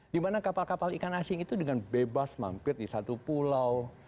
dimana kapal kapal ikan asing itu dengan bebas mampir di satu pulau